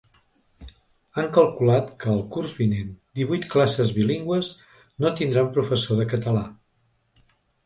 Han calculat que el curs vinent divuit classes bilingües no tindran professor de català.